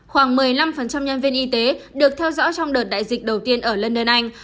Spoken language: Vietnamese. khoảng một mươi năm nhân viên y tế được theo dõi trong đợt đại dịch đầu tiên ở london anh